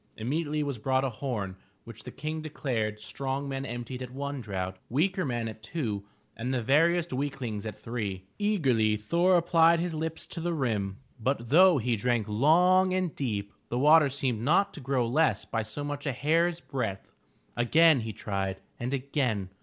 Immediately was brought a horn which the King declared strong men emptied at one draught, weaker men at two and the veriest weaklings at three. Eagerly Thor applied his lips to the rim. But though he drank long and deep, 440 THE TREASURE CHEST the water seemed not to grow less by so much as a hair's breadth. Again he tried and again.